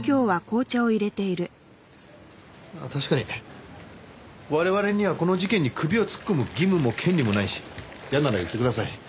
まあ確かに我々にはこの事件に首を突っ込む義務も権利もないし嫌なら言ってください。